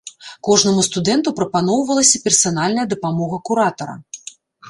Кожнаму студэнту прапаноўвалася персанальная дапамога куратара.